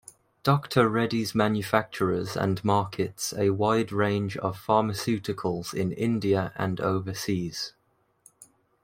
Doctor Reddy's manufactures and markets a wide range of pharmaceuticals in India and overseas.